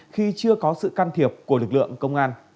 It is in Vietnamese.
khi chưa có sự can thiệp của lực lượng công an